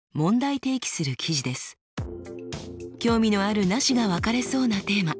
興味のあるなしが分かれそうなテーマ。